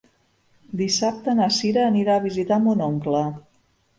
Dissabte na Cira anirà a visitar mon oncle.